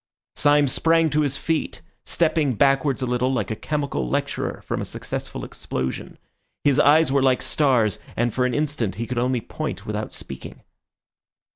Syme sprang to his feet, stepping backwards a little, like a chemical lecturer from a successful explosion. His eyes were like stars, and for an instant he could only point without speaking.